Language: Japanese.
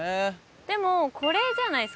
でもこれじゃないですか？